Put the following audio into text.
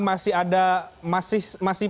masih ada masih